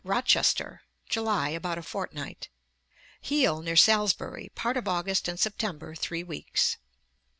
Rochester, July; about a fortnight. Post, iv. 233. Heale near Salisbury, part of August and September; three weeks.